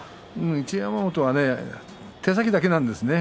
一山本は手先だけなんですね。